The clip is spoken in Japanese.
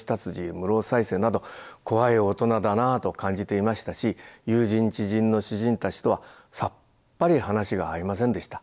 室生犀星など怖い大人だなと感じていましたし友人知人の詩人たちとはさっぱり話が合いませんでした。